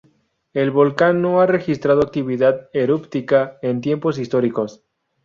El volcán no ha registrado actividad eruptiva en tiempos históricos.